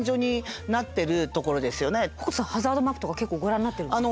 北斗さんハザードマップとか結構ご覧になっているんですか？